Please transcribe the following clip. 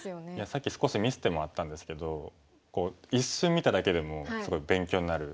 さっき少し見せてもらったんですけどこう一瞬見ただけでもすごい勉強になる。